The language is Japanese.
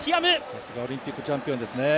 さすがオリンピックチャンピオンですね。